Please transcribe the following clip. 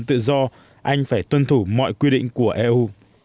tự do anh phải tuân thủ mọi quy định của eu